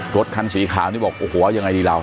รถคันสีขาวนี่บอกโอ้โหยังไงดีเรา